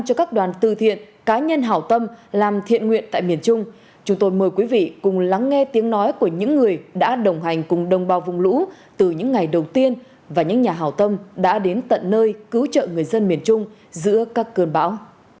cho các đoàn tư thiện cá nhân hảo tâm làm thiện nguyện tại miền trung chúng tôi mời quý vị cùng lắng nghe tiếng nói của những người đã đồng hành cùng đồng bào vùng lũ từ những ngày đầu tiên và những nhà hào tâm đã đến tận nơi cứu trợ người dân miền trung giữa các cơn bão